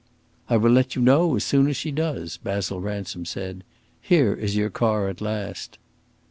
"I will let you know as soon as she does," Basil Ransom said. "Here is your car at last."